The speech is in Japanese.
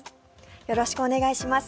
よろしくお願いします。